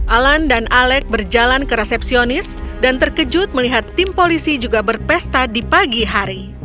alan dan alec berjalan ke resepsionis dan terkejut melihat tim polisi juga berpesta di pagi hari